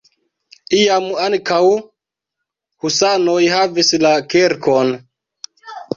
Iam ankaŭ husanoj havis la kirkon.